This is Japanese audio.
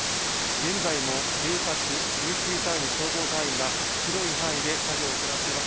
現在も警察、救急隊員、消防隊員が広い範囲で作業を行っています。